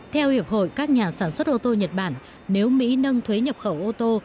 theo hiệp hội các nhà sản xuất ô tô nhật bản nếu mỹ nâng thuế nhập khẩu ô tô